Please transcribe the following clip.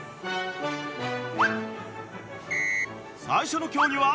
最初の競技は。